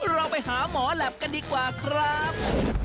เราไปหาหมอแหลปกันดีกว่าครับ